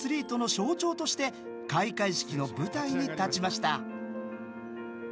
象徴として開会式の舞台に立ちました。